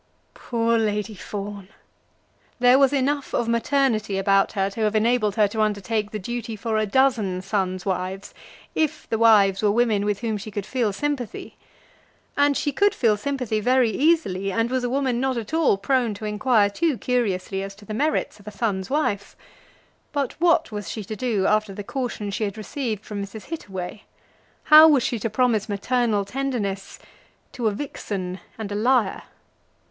Poor Lady Fawn! There was enough of maternity about her to have enabled her to undertake the duty for a dozen sons' wives, if the wives were women with whom she could feel sympathy. And she could feel sympathy very easily; and was a woman not at all prone to inquire too curiously as to the merits of a son's wife. But what was she to do after the caution she had received from Mrs. Hittaway? How was she to promise maternal tenderness to a vixen and a liar?